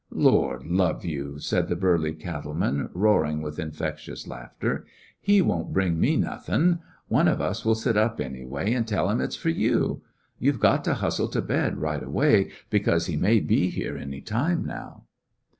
*fLord love you," said the burly cattle man, roaring with infectious laughter, "he won't bring me nothin'. One of us will sit up, any way, and teU him it ^s for you. You 've got to hustle to bed right away, because he may be here any time now."